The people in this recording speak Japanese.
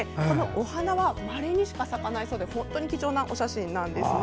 お花はまれにしか咲かなくて本当に貴重なお写真なんですね。